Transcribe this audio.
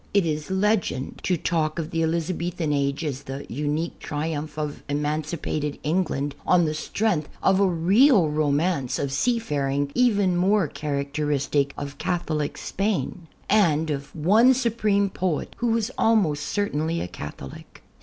It is legend to talk of the Elizabethan age as the unique triumph of emancipated England, on the strength of a^ real romance of sea faring even more characteristic of Catholic Spain, and of one supreme poet who was al most certainly a Catholic.